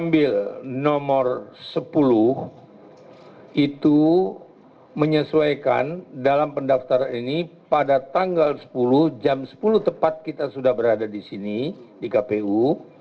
ambil nomor sepuluh itu menyesuaikan dalam pendaftaran ini pada tanggal sepuluh jam sepuluh tepat kita sudah berada di sini di kpu